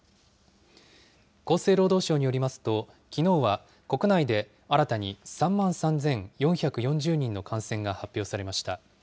厚生労働省によりますと、きのうは国内で新たに３万３４４０人の感染が発表されました。